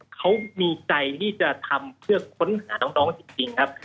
เขามีใจที่จะทำเพื่อค้นหาน้องจริงครับ